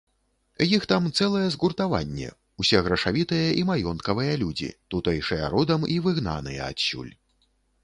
Іх там цэлае згуртаванне, усе грашавітыя і маёнткавыя людзі, тутэйшыя родам і выгнаныя адсюль.